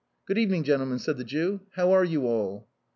" Good evening, gentlemen !" said the ^ew. " How are you all?"